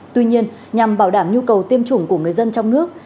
tuy nhiên nhằm bảo đảm nhu cầu tiêm chủng của người dân trong nước